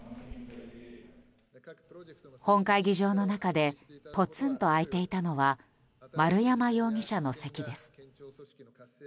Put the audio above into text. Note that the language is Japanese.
本会議場の中でぽつんと空いていたのは丸山容疑者の席です。